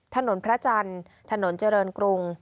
ถนนพระจันทร์ถนนเจริญกรุง